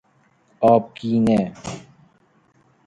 آبگینه